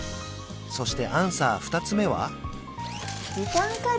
そしてアンサー２つ目は？